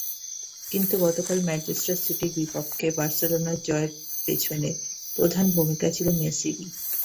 কিন্তু গতকাল ম্যানচেস্টার সিটির বিপক্ষে বার্সেলোনার জয়ের পেছনে প্রধান ভূমিকাটা ছিল মেসিরই।